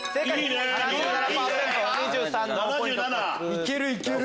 いけるいける！